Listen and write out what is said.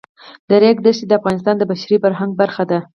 د ریګ دښتې د افغانستان د بشري فرهنګ برخه ده.